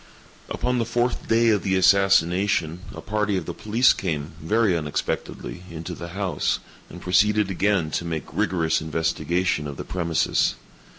Upon the fourth day of the assassination, a party of the police came, very unexpectedly, into the house, and proceeded again to make rigorous investigation of the premises.